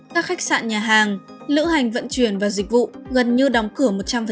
các khách sạn nhà hàng lữ hành vận chuyển và dịch vụ gần như đóng cửa một trăm linh